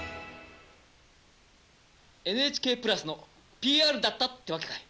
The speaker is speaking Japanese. ＮＨＫプラスのＰＲだったってわけかい。